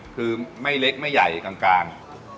คือไม่เล็กไม่ใหญ่กลาง